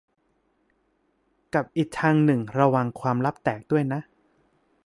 กับอีกทางหนึ่งระวังความลับแตกด้วยนะ